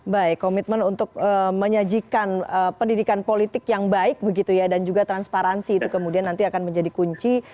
baik komitmen untuk menyajikan pendidikan politik yang baik begitu ya dan juga transparansi itu kemudian nanti akan menjadi kunci